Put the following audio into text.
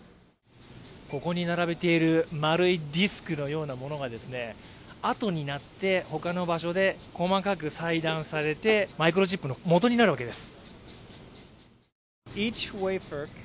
ここに並べている丸いディスクのようなものが後になって他の場所で細かく細断されてマイクロチップのもとになるわけです。